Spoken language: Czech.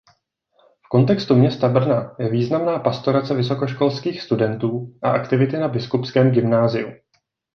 V kontextu města Brna je významná pastorace vysokoškolských studentů a aktivity na Biskupském gymnáziu.